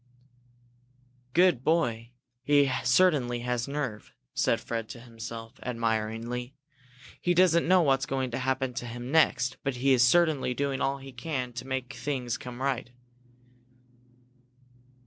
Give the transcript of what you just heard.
"Good boy! He certainly has nerve!" said Fred to himself, admiringly. "He doesn't know what's going to happen to him next, but he is certainly doing all he can to make things come right."